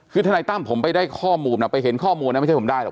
คือทนายตั้มผมไปได้ข้อมูลนะไปเห็นข้อมูลนะไม่ใช่ผมได้หรอ